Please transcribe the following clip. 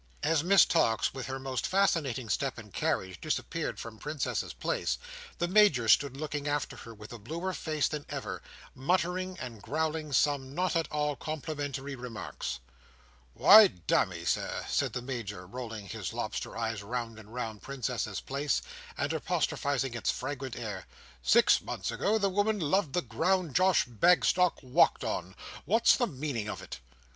As Miss Tox, with her most fascinating step and carriage, disappeared from Princess's Place, the Major stood looking after her with a bluer face than ever: muttering and growling some not at all complimentary remarks. "Why, damme, Sir," said the Major, rolling his lobster eyes round and round Princess's Place, and apostrophizing its fragrant air, "six months ago, the woman loved the ground Josh Bagstock walked on. What's the meaning of it?"